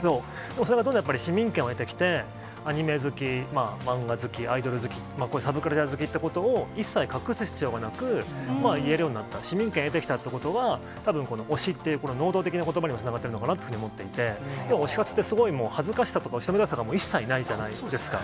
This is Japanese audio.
それがどんどん市民権を得てきて、アニメ好き、漫画好き、アイドル好き、サブカルチャー好きっていうことを一切隠すことなく、言えるようになった、市民権得てきたっていうことは、たぶん、推しという、能動的なことばにもつながってるのかなっていうふうにも思っていて、推し活って、すごいもう、恥ずかしさとか、後ろめたさが一切ないじゃないですか。